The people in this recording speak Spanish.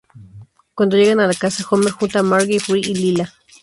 Cuando llegan a la casa, Homer junta a Marge, Fry y Leela.